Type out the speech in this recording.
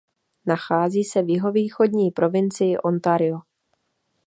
Nachází se v jihovýchodní provincii Ontario.